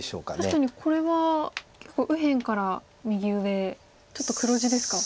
確かにこれは結構右辺から右上ちょっと黒地ですか。